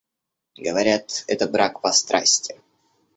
Говорят, это брак по страсти.